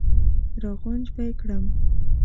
را غونج به یې کړم.